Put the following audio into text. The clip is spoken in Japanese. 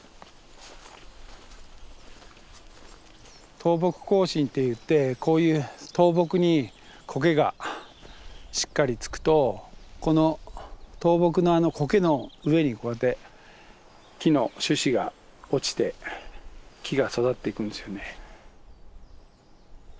倒木更新っていってこういう倒木にコケがしっかりつくとこの倒木のコケの上にこうやって木の種子が落ちて木が育っていくんですよね。